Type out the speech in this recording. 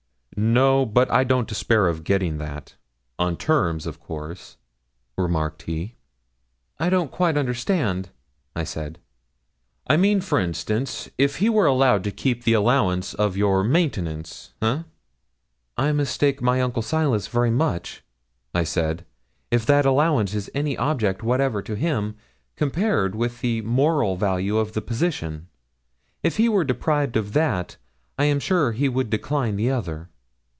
'No, but I don't despair of getting that on terms, of course,' remarked he. 'I don't quite understand,' I said. 'I mean, for instance, if he were allowed to keep the allowance for your maintenance eh?' 'I mistake my uncle Silas very much,' I said, 'if that allowance is any object whatever to him compared with the moral value of the position. If he were deprived of that, I am sure he would decline the other.'